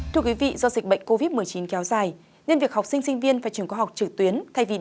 thưa quý vị do dịch bệnh covid một mươi chín kéo dài nên việc học sinh sinh viên phải trường có học trực tuyến